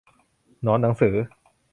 หนอนหนังสือ